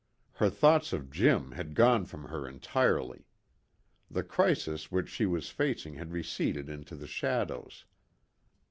Her thoughts of Jim had gone from her entirely. The crisis which she was facing had receded into the shadows.